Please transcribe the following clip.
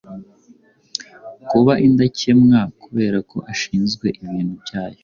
kuba indakemwa, kubera ko ashinzwe ibintu byayo!